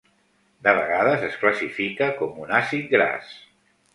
De vegades es classifica com un àcid gras.